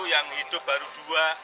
yang hidup baru dua